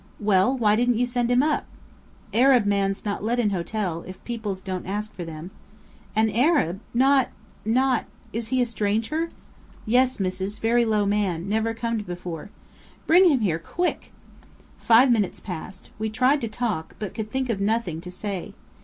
"Well, why didn't you send him up?" "Arab mans not let in hotel, if peoples don't ask for them." "An Arab! Not not is he a stranger?" "Yes, Missis. Very low man. Never comed before." "Bring him here quick!" Five minutes passed. We tried to talk, but could think of nothing to say.